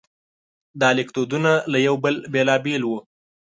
دا لیکدودونه له یو بل بېلابېل وو.